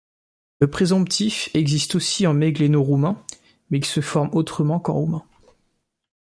Le présomptif existe aussi en mégléno-roumain mais il se forme autrement qu’en roumain.